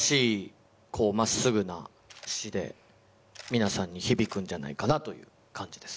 皆さんに響くんじゃないかなという感じです。